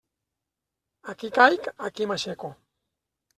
Aquí caic, aquí m'aixeco.